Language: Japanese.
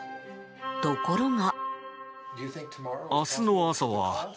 ところが。